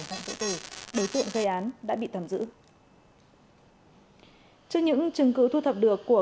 thuốc trừ sâu tự tử đối tượng gây án đã bị tạm giữ trước những chứng cứ thu thập được của